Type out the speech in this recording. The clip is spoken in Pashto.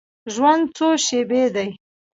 ژوند څو شیبې دی.